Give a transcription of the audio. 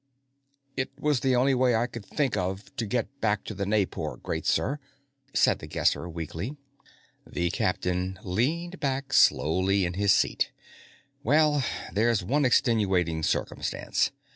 "It was the only way I could think of to get back to the Naipor, great sir," said The Guesser weakly. The captain leaned back slowly in his seat. "Well, there's one extenuating circumstance.